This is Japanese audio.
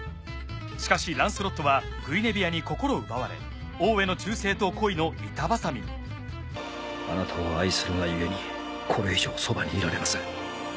しかしランスロットはグイネビアに心奪われ王への忠誠と恋の板挟みにあなたを愛するがゆえにこれ以上側にいられません。